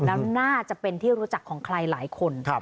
แล้วน่าจะเป็นที่รู้จักของใครหลายคน